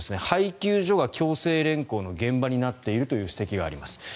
配給所が強制連行の場になっているという指摘があります。